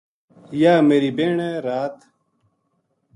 یاہ میری بہن ہے رات ا